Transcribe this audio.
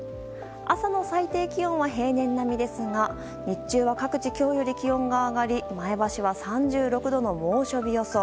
朝の最低気温は平年並みですが日中は各地今日より気温が上がり前橋は３６度の猛暑日予想